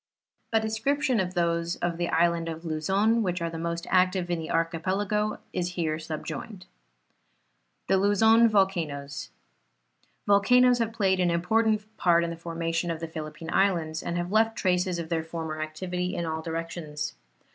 A description of those of the Island of Luzon, which are the most active in the archipelago, is here sub joined. THE LUZON VOLCANOES. Volcanoes have played an important part in the formation of the Philippine Islands and have left traces of their former activity in all directions.